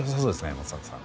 松坂さん。